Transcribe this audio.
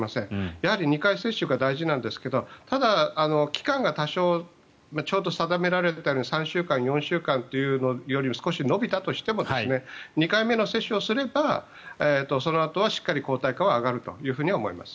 やはり２回接種が大事なんですけどただ、期間が多少ちょうど定められている３週間、４週間より少し延びたとしても２回目の接種をすればそのあとはしっかり抗体価は上がると思います。